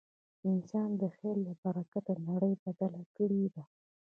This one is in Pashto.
انسان د خیال له برکته نړۍ بدله کړې ده.